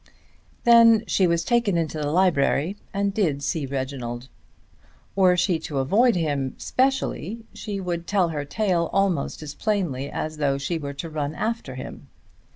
Then she was taken into the library and did see Reginald. Were she to avoid him, specially, she would tell her tale almost as plainly as though she were to run after him.